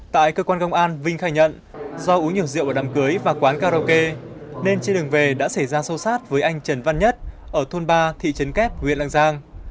tại cơ quan công an vinh khai nhận do uống nhiều rượu ở đám cưới và quán karaoke nên trên đường về đã xảy ra sâu sát với anh trần văn nhất ở thôn ba thị trấn kép huyện lạng giang